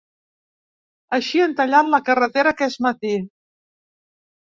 Així han tallat la carretera aquest matí.